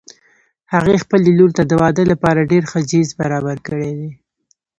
هغې خپلې لور ته د واده لپاره ډېر ښه جهیز برابر کړي دي